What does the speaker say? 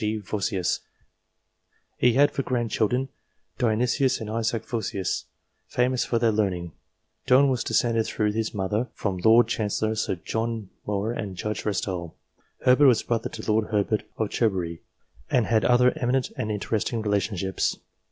G. Yossius, he had for grand children, Dionysius and Isaac Vossius, famous for their learning. Donne was descended through his mother from Lord Chancellor Sir John More and Judge Rastall. Herbert was brother to Lord Herbert of Cherbury, and had other eminent and interesting relationships.